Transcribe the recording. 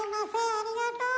ありがとう！